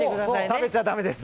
食べちゃだめです。